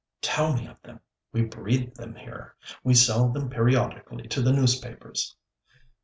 'Tell me of them; we breed them here. We sell them periodically to the newspapers!'